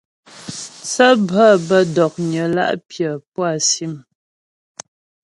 Thə́ bhə̌ bə́ dɔ̀knyə la' pyə̌ pú á sìm.